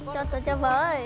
cho tôi cho với